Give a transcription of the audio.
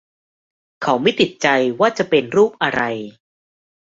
เขาไม่ติดใจว่าจะเป็นรูปอะไร